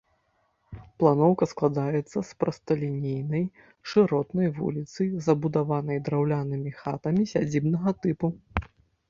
Планоўка складаецца з прасталінейнай шыротнай вуліцы, забудаванай драўлянымі хатамі сядзібнага тыпу.